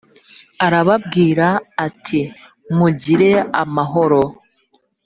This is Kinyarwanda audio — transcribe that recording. arababwira ati mugire amahoro